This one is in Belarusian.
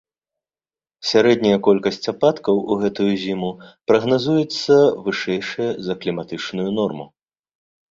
Сярэдняя колькасць ападкаў у гэтую зіму прагназуецца вышэйшая за кліматычную норму.